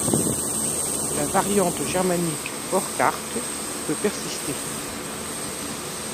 La variante germanique Volkhardt peut persister.